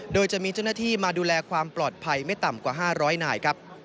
โดยจะมีเจ้าหน้าที่มาดูแลความปลอดภัยไม่ต่ำกว่า๕๐๐นายครับ